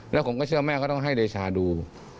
แล้วผมก็เชื่อแม่ก็ต้องให้เดชาดู